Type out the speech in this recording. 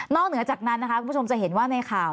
เหนือจากนั้นนะคะคุณผู้ชมจะเห็นว่าในข่าว